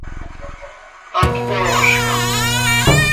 Pac yoozcam.